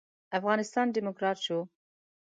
افغانستان ډيموکرات شو.